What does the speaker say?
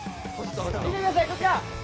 見てくださいこちら！